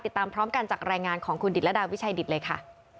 ติดตามพร้อมกันจากรายงานของคุณดิตรดาวิชัยดิตเลยค่ะ